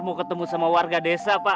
mau ketemu sama warga desa pak